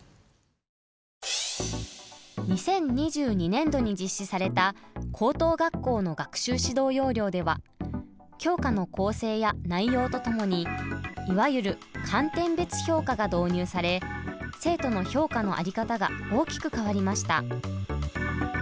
２０２２年度に実施された高等学校の学習指導要領では教科の構成や内容とともにいわゆる「観点別評価」が導入され生徒の評価の在り方が大きく変わりました。